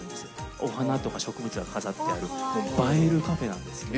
お花とか植物が飾ってあって、映えるカフェなんです。